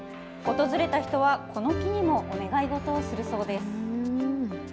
訪れた人はこの木にもお願い事をするそうです。